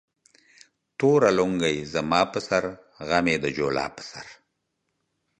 توره لنگۍ زما پر سر ، غم يې د جولا پر سر